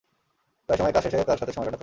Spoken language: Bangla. প্রায় সময়েই কাজ শেষে তার সাথে সময় কাটাতেন।